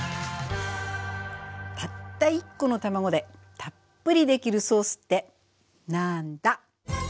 たった１コの卵でたっぷりできるソースってなんだ！